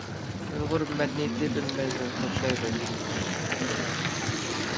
ئۇيغۇر مەدەنىيىتى ئۆلمەيدۇ، كۆكلەيدۇ!